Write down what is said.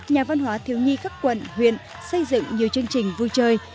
nhà văn hóa thiếu nhi các quận huyện xây dựng nhiều chương trình vui chơi